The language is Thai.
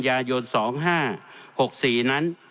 ยายน๒๕๖๔นั้น